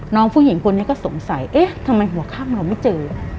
น้องผู้หญิงคนนี้ก็สงสัยเอ๊ะทำไมหัวข้ามเราไม่เจอ